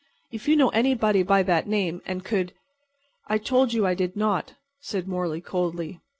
If you know anybody by that name and could"— "I told you I did not," said Morley, coldly.